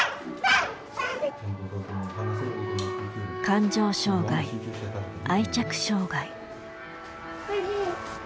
感情障害愛着障害。